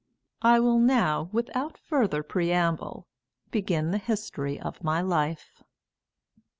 I will now, without further preamble, begin the history of my life.